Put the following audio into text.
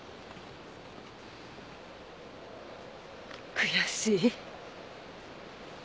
悔しい。